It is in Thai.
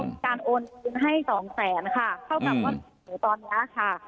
มีการโอนคืนให้สองแสนค่ะเท่ากับว่าหนูตอนนี้ค่ะ